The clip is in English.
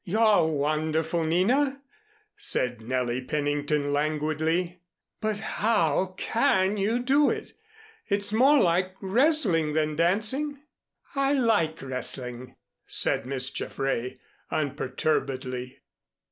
"You're wonderful, Nina!" said Nellie Pennington, languidly, "but how can you do it? It's more like wrestling than dancing?" "I like wrestling," said Miss Jaffray, unperturbedly.